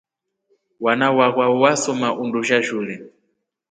Wana wakwa wasoma undusha shule.